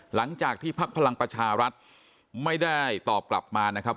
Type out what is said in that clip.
หลังจากที่ภักดิ์พลังประชารัฐไม่ได้ตอบกลับมานะครับ